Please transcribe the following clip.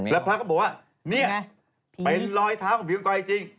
แล้วพระก็บอกว่านี่เป็นรอยเท้าของผิวกอยจริง